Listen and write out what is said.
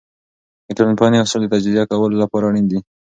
د ټولنپوهنې اصول د تجزیه کولو لپاره اړین دي.